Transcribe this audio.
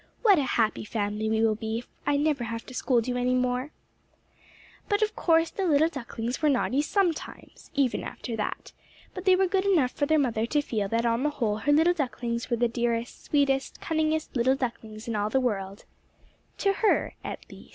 "What a happy family we will be if I never have to scold you any more." [Illustration: They sailed away at their mother's side] But of course the little ducklings were naughty sometimes, even after that; but they were good enough for their mother to feel that on the whole her little ducklings were the dearest, sweetest, cunningest little ducklings in all the world—to her at least.